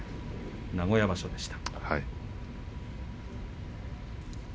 名古屋場所でした。